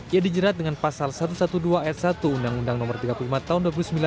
ia dijerat dengan pasal satu ratus dua belas ayat satu undang undang no tiga puluh lima tahun dua ribu sembilan